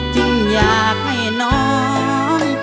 จึงอยากให้น้อย